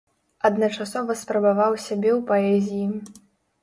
Адначасова спрабаваў сябе ў паэзіі.